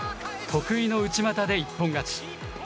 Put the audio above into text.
得意の内股で一本勝ち。